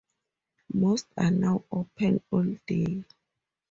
Most are now open all day.